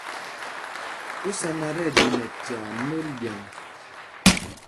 Ú sá ná tí ɛɗi nɛ tyaa nôl ɗyaŋ ?